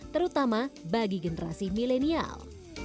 terutama bagi generasi milenial